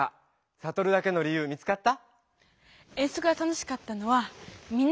サトルだけの理由見つかった！